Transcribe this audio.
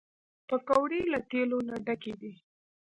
پکورې له تیلو نه ډکې دي